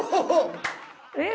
えっ？